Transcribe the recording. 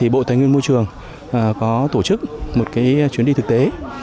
bộ tài nguyên môi trường có tổ chức một chuyến đi thực tế